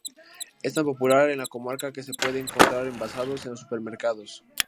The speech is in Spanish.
Es tan popular en la comarca que se puede encontrar envasado en los supermercados.